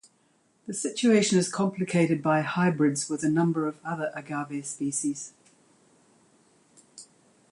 The situation is complicated by hybrids with a number of other agave species.